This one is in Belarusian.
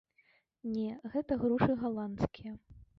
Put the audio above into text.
Не, гэта грушы галандскія.